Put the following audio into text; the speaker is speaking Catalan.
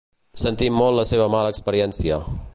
Sentim molt la seva mala experiència.